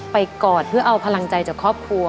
กอดเพื่อเอาพลังใจจากครอบครัว